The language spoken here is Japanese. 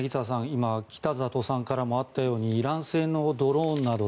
今、北里さんからもあったようにイラン製のドローンなど